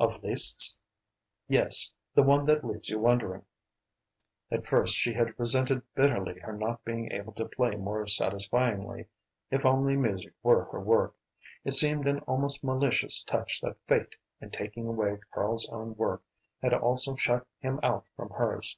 "Of Liszt's?" "Yes; the one that leaves you wondering." At first she had resented bitterly her not being able to play more satisfyingly. If only music were her work! It seemed an almost malicious touch that fate, in taking away Karl's own work, had also shut him out from hers.